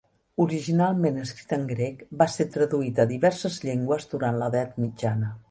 Originalment escrit en grec, va ser traduït a diverses llengües durant l'Edat Mitjana.